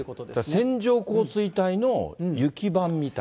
線状降水帯の雪版みたいな。